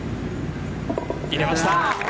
入れました。